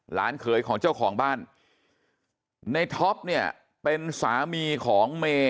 เขยของเจ้าของบ้านในท็อปเนี่ยเป็นสามีของเมย์